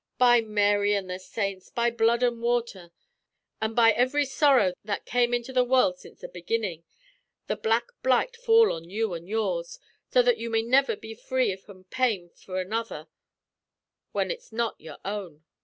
By Mary and the saints, by blood and water, an' by ivry sorrow that came into the world since the beginnin', the black blight fall on you and yours, so that you may niver be free from pain for another when ut's not your own!